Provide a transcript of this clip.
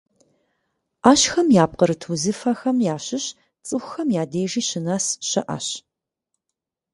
Ӏэщхэм япкъырыт узыфэхэм ящыщ цӀыхухэм я дежи щынэс щыӏэщ.